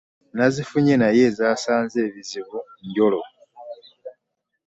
Nazifunye naye zasanze ebizibu njolo.